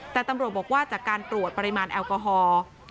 แต่ตำรวจบอกว่าจากการตรวจปริมาณแอลกอฮอล์